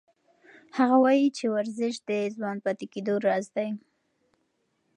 هغه وایي چې ورزش د ځوان پاتې کېدو راز دی.